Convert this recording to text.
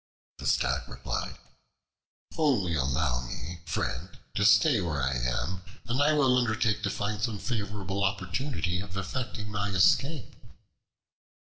The Stag replied: "Only allow me, friend, to stay where I am, and I will undertake to find some favorable opportunity of effecting my escape."